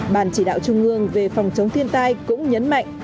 bàn chỉ đạo trung ương về phòng chống thiên tai cũng nhấn mạnh